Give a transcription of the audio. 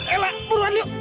eh lah muruan yuk